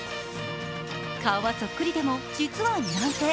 顔はそっくりでも実は２卵性。